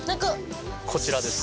こちらです。